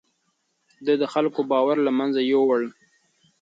ده د خلکو باور له منځه يووړ نه کړ.